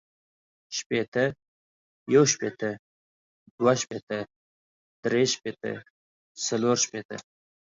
شپیته، یو شپیته، دوه شپیته، درې شپیته، څلور شپیته